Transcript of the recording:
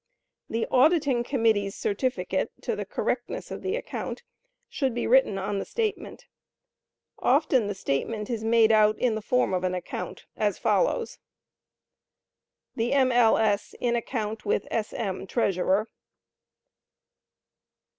The auditing committee's certificate to the correctness of the account should be written on the statement. Often the statement is made out in the form of an account, as follows: Dr. The M. L. S. in acct. with S. M., Treas. Cr.